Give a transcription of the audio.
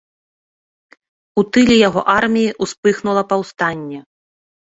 У тыле яго арміі ўспыхнула паўстанне.